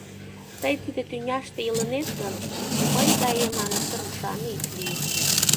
Тый тиде тӱняште илынет гын, мый гаем аҥысыр ушан ит лий.